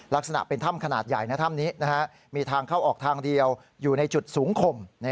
ลักษณะเป็นถ้ำขนาดใหญ่ถ้ำนี้มีทางเข้าออกทางเดียวอยู่ในจุดสูงคม